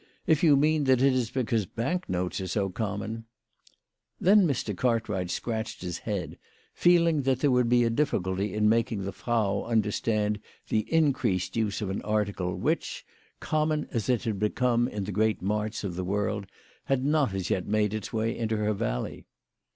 If you mean that it is because bank notes are so common " Then Mr. Cartwright scratched his head, feeling that there would be a difficulty in making the Frau under stand the increased use of an article which, common as it had become in the great marts of the world, had not as yet made its way into her valley.